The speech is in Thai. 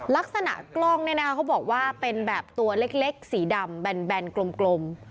ลักษณะกล้องเนี่ยนะคะเขาบอกว่าเป็นแบบตัวเล็กสีดำแบนกลม